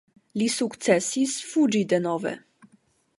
Li sukcesis fuĝi denove.